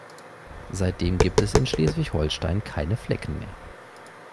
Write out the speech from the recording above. Seitdem gibt es in Schleswig-Holstein keine Flecken mehr.